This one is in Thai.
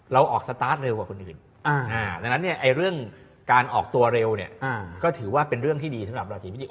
ออกสตาร์ทเร็วกว่าคนอื่นดังนั้นเนี่ยเรื่องการออกตัวเร็วเนี่ยก็ถือว่าเป็นเรื่องที่ดีสำหรับราศีพิจิก